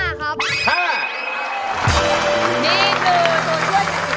นี่คือตัวช่วยที่สุดท้ายของน้องทิวนะคะ